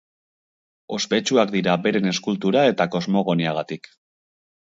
Ospetsuak dira beren eskultura eta kosmogoniagatik.